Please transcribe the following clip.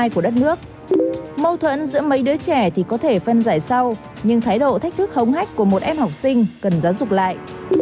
của một em học sinh cần giáo dục lại